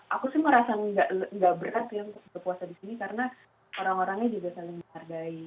aku sih merasa nggak berat ya untuk berpuasa di sini karena orang orangnya juga saling menghargai